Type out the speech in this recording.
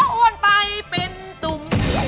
อ้วนไปเป็นตุ่ม